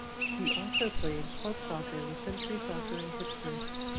He also played club soccer with Century Soccer in Pittsburgh.